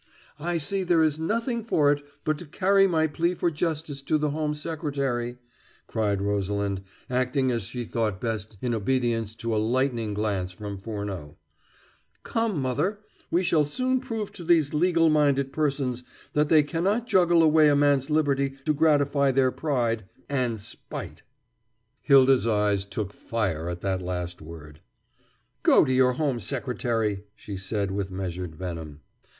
"I see there is nothing for it but to carry my plea for justice to the Home Secretary," cried Rosalind, acting as she thought best in obedience to a lightning glance from Furneaux. "Come, mother, we shall soon prove to these legal minded persons that they cannot juggle away a man's liberty to gratify their pride and spite." Hylda's eyes took fire at that last word. "Go to your Home Secretary," she said with measured venom.